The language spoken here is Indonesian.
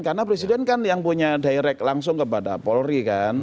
karena presiden kan yang punya direct langsung kepada polri kan